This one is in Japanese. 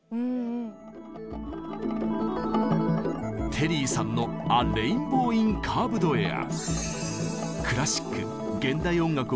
テリーさんの「ア・レインボー・イン・カーヴド・エア」。